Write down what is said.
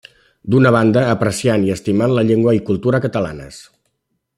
D'una banda, apreciant i estimant la llengua i cultura catalanes.